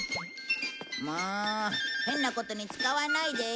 もう変なことに使わないでよ。